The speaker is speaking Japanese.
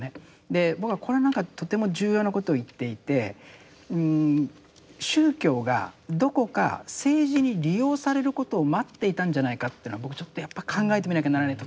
で僕はこれなんかとても重要なことを言っていて宗教がどこか政治に利用されることを待っていたんじゃないかっていうのは僕ちょっとやっぱ考えてみなきゃならない